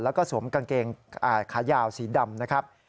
แล้วก็สวมกางเกงขายาวสีดำนะครับ